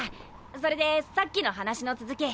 それでさっきの話の続き。